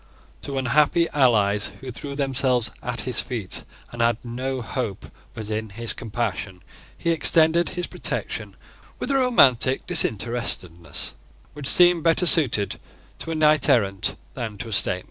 To unhappy allies who threw themselves at his feet, and had no hope but in his compassion, he extended his protection with a romantic disinterestedness, which seemed better suited to a knight errant than to a statesman.